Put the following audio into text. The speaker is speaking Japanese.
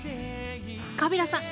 カビラさん